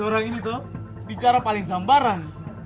orang ini tuh bicara paling sambaran